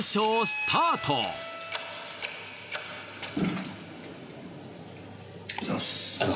スタートおはようございます